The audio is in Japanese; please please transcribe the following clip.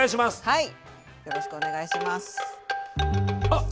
はい。